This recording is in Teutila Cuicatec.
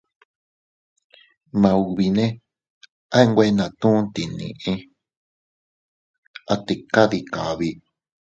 Maubine a nwe natu tinni, a tika dii kabi.